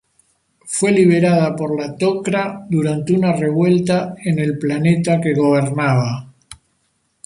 Fue liberada por la Tok'ra durante una revuelta en el planeta que gobernaba.